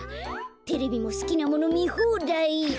テレビもすきなものみほうだい。